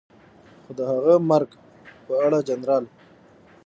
خو د هغه مرګ په اړه جنرال